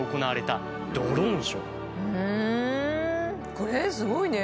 これすごいね。